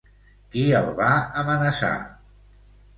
Qui el va amenaçar?